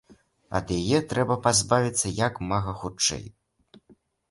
Ад яе трэба пазбавіцца як мага хутчэй.